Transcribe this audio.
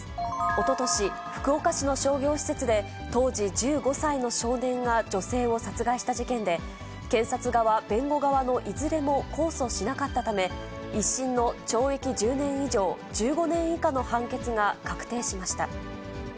おととし、福岡市の商業施設で、当時１５歳の少年が女性を殺害した事件で、検察側、弁護側のいずれも控訴しなかったため、１審の懲役１０年以上、１５年以下の判決が確定しました。